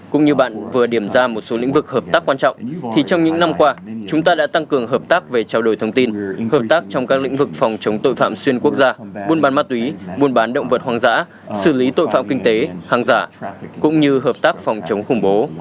cũng như bạn vừa điểm ra một số lĩnh vực hợp tác quan trọng thì trong những năm qua chúng ta đã tăng cường hợp tác về trao đổi thông tin hợp tác trong các lĩnh vực phòng chống tội phạm xuyên quốc gia buôn bán ma túy buôn bán động vật hoang dã xử lý tội phạm kinh tế hàng giả cũng như hợp tác phòng chống khủng bố